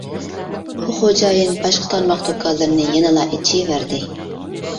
ئۇ خوجايىن باشقا تارماق دۇكانلىرىنى يەنىلا ئېچىۋەردى.